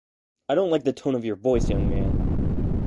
I don't like the tone of your voice, young man!